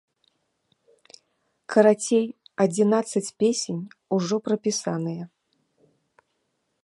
Карацей, адзінаццаць песень ужо прапісаныя.